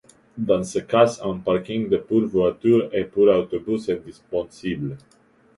Dans ce cas, un parking de pour voitures et pour autobus, est disponible.